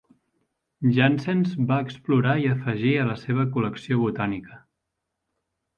Janssens va explorar i afegir a la seva col·lecció botànica.